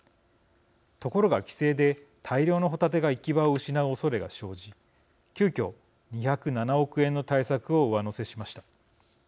ところが規制で大量のホタテが行き場を失うおそれが生じ急きょ２０７億円の対策を上乗せしました。